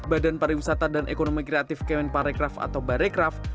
badan pariwisata dan ekonomi kreatif kemenparekraf atau barekraf